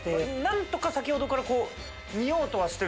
何とか先ほどからこう。